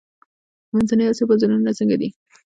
د منځنۍ اسیا بازارونه څنګه دي؟